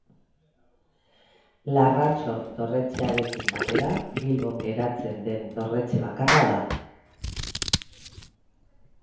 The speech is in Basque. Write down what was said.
Larrako dorretxearekin batera Bilbon geratzen den dorretxe bakarra da.